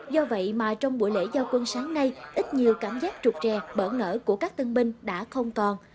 do vậy mà trong buổi lễ giao quân sáng nay ít nhiều cảm giác trục trè bởn nở của các tân binh đã không còn